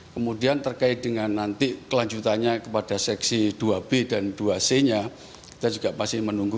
kemudian terkait dengan nanti kelanjutannya kepada seksi dua b dan dua c nya kita juga pasti menunggu